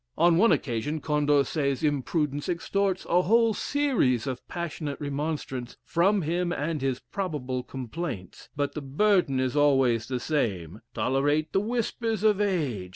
On one occasion, Condorcet's imprudence extorts a whole series of passionate remonstrants from him and his probable complaints but the burden is always the same "Tolerate the whispers of age!